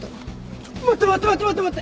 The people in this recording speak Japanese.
ちょっ待って待って待って待って！